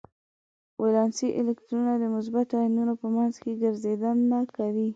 ولانسي الکترونونه د مثبتو ایونونو په منځ کې ګرځننده دي.